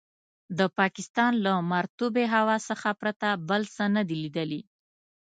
د پاکستان له مرطوبې هوا څخه پرته بل څه نه دي لیدلي.